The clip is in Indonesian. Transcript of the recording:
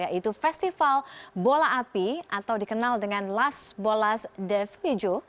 yaitu festival bola api atau dikenal dengan las bolas de fijo